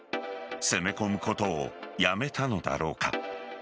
攻め込むことをやめたのだろうか。